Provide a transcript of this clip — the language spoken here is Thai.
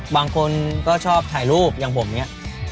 บางคนก็ชอบถ่ายรูปอย่างผมเนี่ย